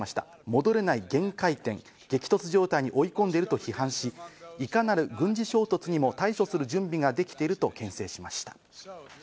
戻れない限界点、激突状態に追い込んでいると批判し、いかなる軍事衝突にも対処する準備ができているとけん制しました。